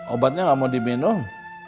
obatnya nggak mau diminum